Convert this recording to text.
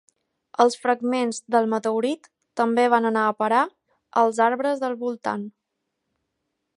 Els fragments del meteorit també van anar a parar als arbres del voltant.